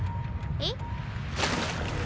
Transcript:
えっ？